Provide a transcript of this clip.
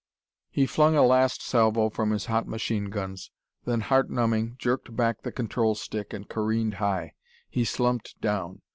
He flung a last salvo from his hot machine guns, then, heart numbing, jerked back the control stick and careened high. He slumped down.